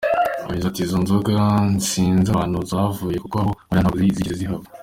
Yagize ati“Izo nzoga sinzi ahantu zavuye kuko aho nkorera ntabwo zigeze zihava.